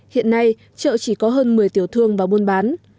hiện nay chợ chỉ có hơn một mươi tiểu thương và muôn bán